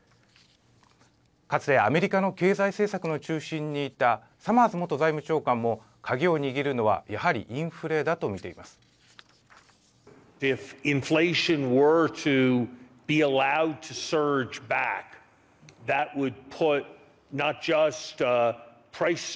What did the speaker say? かつてアメリカの経済政策の中心にいたサマーズ元財務長官も鍵を握るのはやはりインフレだと見ています。